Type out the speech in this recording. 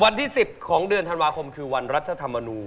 วันที่๑๐ของเดือนธันวาคมคือวันรัฐธรรมนูล